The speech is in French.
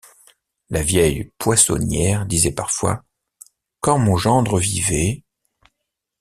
La vieille poissonnière disait parfois: « Quand mon gendre vivait...